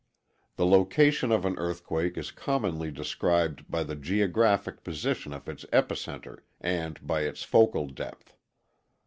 The location of an earthquake is commonly described by the geographic position of its epicenter and by its focal depth.